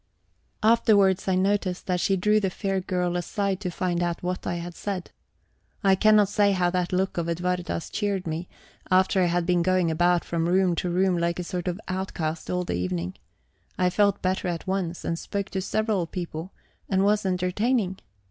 Afterwards I noticed that she drew the fair girl aside to find out what I had said. I cannot say how that look of Edwarda's cheered me, after I had been going about from room to room like a sort of outcast all the evening; I felt better at once, and spoke to several people, and was entertaining.